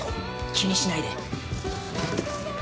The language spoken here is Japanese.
気にしないで。